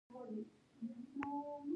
آیا موږ په خپل هویت نه ویاړو؟